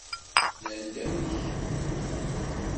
Nnan-d amek?